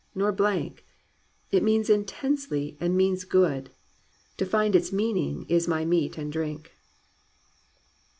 Nor blank; it means intensely and means good: To find its meaning is my meat and drink.'